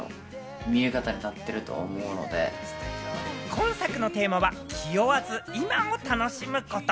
今作のテーマは、気負わず、今を楽しむこと。